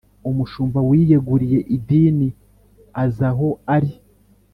Umushumba wiyeguriye idini aza aho ari